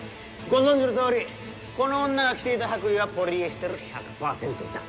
ご存知の通りこの女が着ていた白衣はポリエステル１００％だ。